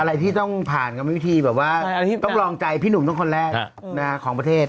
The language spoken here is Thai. อะไรที่ต้องผ่านกรรมวิธีแบบว่าต้องรองใจพี่หนุ่มต้องคนแรกของประเทศ